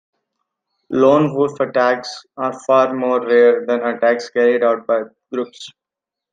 Lone wolf attacks are far more rare than attacks carried out by groups.